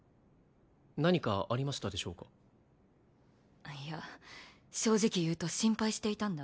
何かありましたでしょうかいや正直言うと心配していたんだ